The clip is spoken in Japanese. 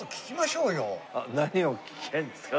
何を聞きゃいいんですか？